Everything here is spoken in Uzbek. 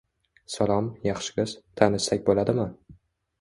- Salom, yaxshi qiz, tanishsak bo'ladimi?